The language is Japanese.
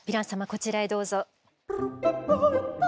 こちらへどうぞ。